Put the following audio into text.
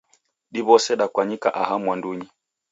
Diw'ose dakwanyika aha mwandunyi.